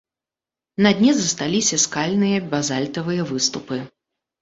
На дне засталіся скальныя базальтавыя выступы.